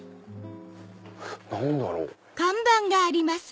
何だろう？